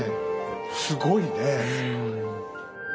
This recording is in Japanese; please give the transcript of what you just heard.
すごいねえ！